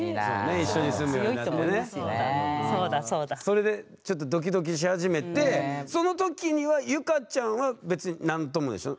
それでちょっとドキドキし始めてその時には結香ちゃんは別に何ともでしょ？